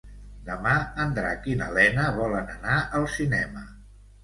Demà en Drac i na Lena volen anar al cinema.